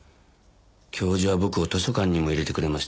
教授は僕を図書館にも入れてくれました。